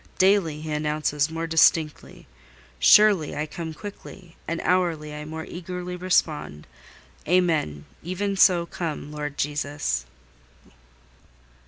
Daily He announces more distinctly,—'Surely I come quickly!' and hourly I more eagerly respond,—'Amen; even so come, Lord Jesus!